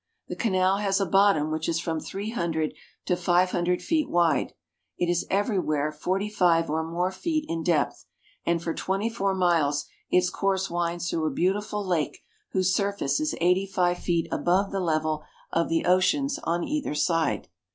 The canal has a bottom which is from three hundred to five hundred feet wide. It is everywhere forty five or more feet in depth, and for twenty four miles its course winds through a beautiful lake whose surface is eighty five feet above the level of the oceans on either side.